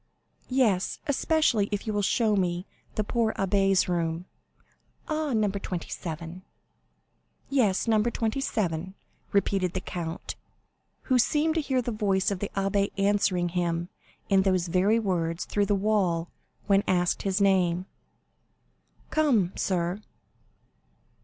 "Yes, especially if you will show me the poor abbé's room." "Ah! No. 27." "Yes; No. 27." repeated the count, who seemed to hear the voice of the abbé answering him in those very words through the wall when asked his name. "Come, sir."